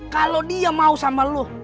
kalau dia mau sama lu